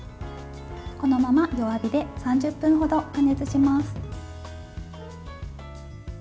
このまま弱火で３０分程加熱します。